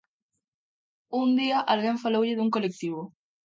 Un día alguén faloulle dun colectivo.